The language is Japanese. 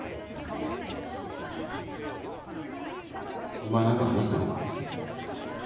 お前何か話したのか？